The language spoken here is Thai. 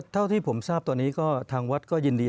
เท่าที่ผมทราบตอนนี้ก็ทางวัดก็ยินดี